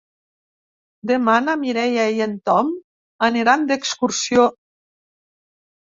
Demà na Mireia i en Tom aniran d'excursió.